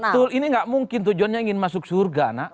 betul ini nggak mungkin tujuannya ingin masuk surga nak